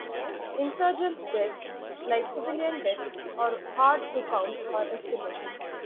Insurgent deaths, like civilian deaths, are hard to count or estimate.